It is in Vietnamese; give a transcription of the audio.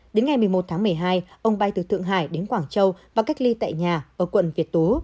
đến ngày một mươi một tháng một mươi hai ông bay từ thượng hải đến quảng châu và cách ly tại nhà ở quận việt tố